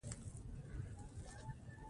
زمری د ځنګل پاچا بلل کېږي.